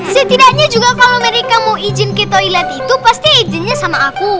setidaknya juga kalau mereka mau izin ke toilet itu pasti izinnya sama aku